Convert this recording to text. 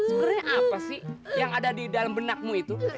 sebenarnya apa sih yang ada di dalam benakmu itu